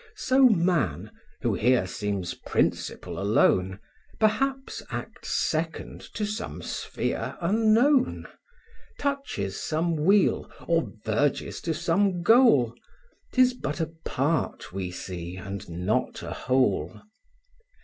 So man, who here seems principal alone, Perhaps acts second to some sphere unknown, Touches some wheel, or verges to some goal; 'Tis but a part we see, and not a whole.